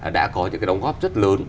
đã có những cái đóng góp rất lớn